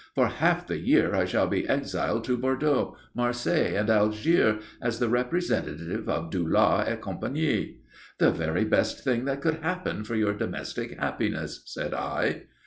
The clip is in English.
"For half the year I shall be exiled to Bordeaux, Marseilles and Algiers as the representative of Dulau et Compagnie." "The very best thing that could happen for your domestic happiness," said I.